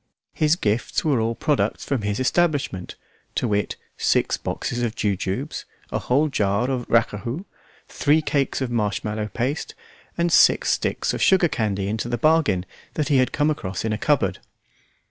His gifts were all products from his establishment, to wit: six boxes of jujubes, a whole jar of racahout, three cakes of marshmallow paste, and six sticks of sugar candy into the bargain that he had come across in a cupboard.